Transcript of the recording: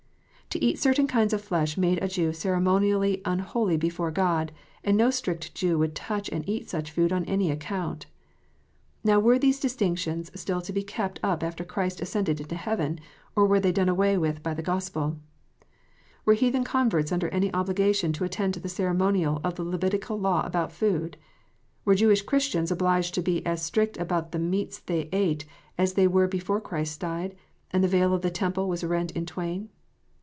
To eat certain kinds of flesh made a Jew ceremonially unholy before God, and no strict Jew would touch and eat such food on any account. Now were these distinctions still to be kept up after Christ ascended into heaven, or were they done away by the Gospel 1 ? Were heathen converts under any obligation to attend to the ceremonial of the Levitical law about food 1 ? Were Jewish Christians obliged to be as strict about the meats they ate as they were before Christ died, and the veil of the temple was rent in twain